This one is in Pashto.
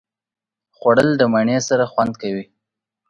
خوړل د مڼې سره خوند کوي